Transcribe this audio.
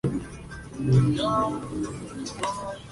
Algunos autores discuten la posibilidad de incluir o no, el morro.